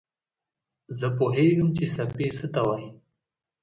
زه پوهېږم چې څپې څه ته وايي.